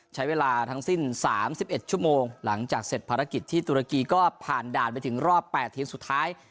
ใช้เวลาทั้งสิ้น๓๑ชั่วโมงหลังจากเสร็จภารกิจที่ตุรกีก็ผ่านด่านไปถึงรอบ๘ทีมสุดท้าย